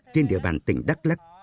trên địa bàn tỉnh đắk lắc